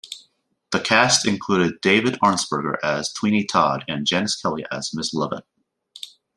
The cast included David Arnsperger as Sweeney Todd and Janis Kelly as Mrs. Lovett.